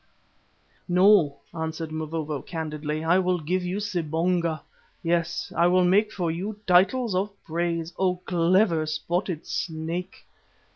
"No," answered Mavovo candidly. "I will give you sibonga. Yes, I will make for you Titles of Praise, O clever Spotted Snake."